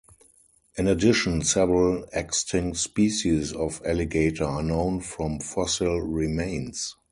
In addition, several extinct species of alligator are known from fossil remains.